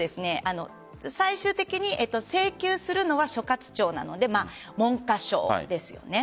最終的に請求するのは所轄庁なので文科省ですよね。